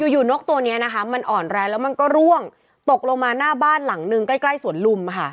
อยู่นกตัวนี้นะคะมันอ่อนแรงแล้วมันก็ร่วงตกลงมาหน้าบ้านหลังนึงใกล้สวนลุมค่ะ